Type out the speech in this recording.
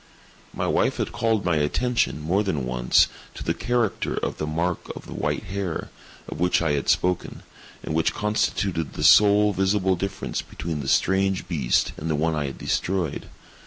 My wife had called my attention, more than once, to the character of the mark of white hair, of which I have spoken, and which constituted the sole visible difference between the strange beast and the one I had destroyed.